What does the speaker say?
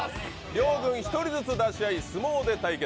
両軍に１人ずつ出し合い相撲で対決。